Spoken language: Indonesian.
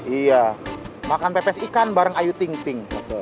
iya makan pepes ikan bareng ayu ting ting